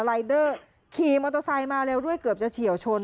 รายเดอร์ขี่มอเตอร์ไซค์มาเร็วด้วยเกือบจะเฉียวชน